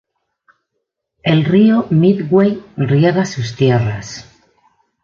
El río Medway riega sus tierras.